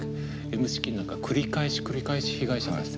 Ｍ資金なんか繰り返し繰り返し被害者が出た。